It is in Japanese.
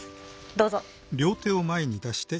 どうぞ。